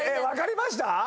分かりました？